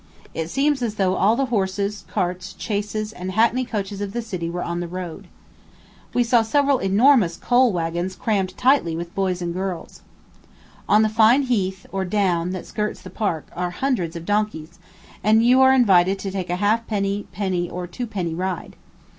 It seems as though all the horses, carts, chaises, and hackney coaches of the city were on the road. We saw several enormous coal wagons crammed tightly with boys and girls. On the fine heath, or down, that skirts the Park, are hundreds of donkeys, and you are invited to take a halfpenny, penny, or twopenny ride.